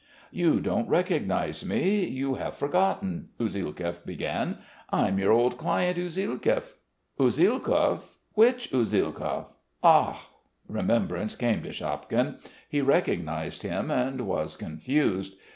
"You don't recognise me.... You have forgotten ...." Usielkov began. "I'm your old client, Usielkov." "Usielkov? Which Usielkov? Ah!" Remembrance came to Shapkin: he recognised him and was confused.